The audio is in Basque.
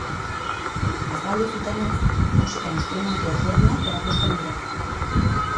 Azaldu zutenez, musika instrumentu ezberdinak erakusten dira.